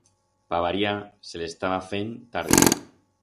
Pa variar, se le estaba fend tarde.